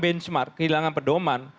benchmark kehilangan perdoman